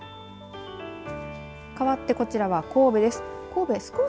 かわって、こちらは神戸です。